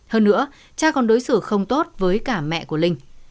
hơn nữa cha còn đối xử không tốt với cả mẹ của linh